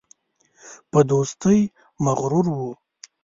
په دوستۍ مغرور وو.